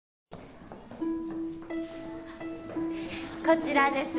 こちらです。